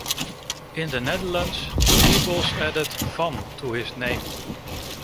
In the Netherlands, Peebles added the "Van" to his name.